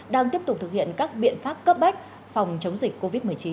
đang tiếp tục thực hiện các biện pháp cấp bách phòng chống dịch covid một mươi chín